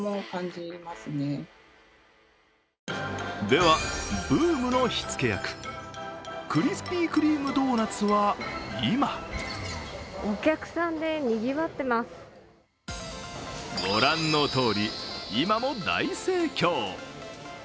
では、ブームの火付け役クリスピー・クリーム・ドーナツは今御覧のとおり、今も大盛況。